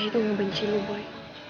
itu benci lu boy